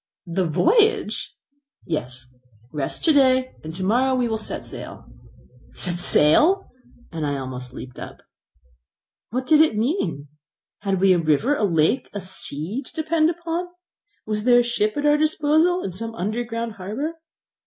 "The voyage!" "Yes, rest to day, and to morrow we will set sail." "Set sail!" and I almost leaped up. What did it all mean? Had we a river, a lake, a sea to depend upon? Was there a ship at our disposal in some underground harbour?